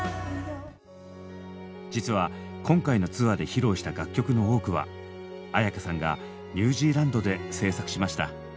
実は今回のツアーで披露した楽曲の多くは絢香さんがニュージーランドで制作しました。